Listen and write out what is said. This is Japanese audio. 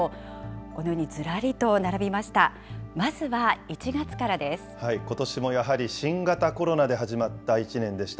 このように、ずらりと並びました。